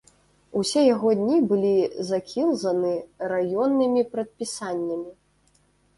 Усе яго дні былі закілзаны раённымі прадпісаннямі.